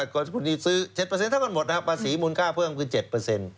คุณนิวซื้อ๗เท่ากันหมดนะครับภาษีมูลค่าเพิ่มคือ๗